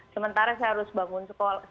sementara saya harus bangun sekolah